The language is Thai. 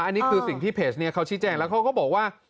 อันนี้คือสิ่งที่เพจนี้เขาชี้แจงแล้วเขาก็บอกว่า